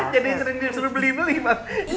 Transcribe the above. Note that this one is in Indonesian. jadi sering dia suruh beli beli pak